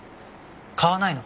買わないの？